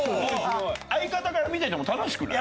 相方から見てても楽しくない？